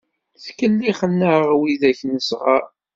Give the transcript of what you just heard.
Ttkellixen-aɣ wid-ak nesɣeṛ.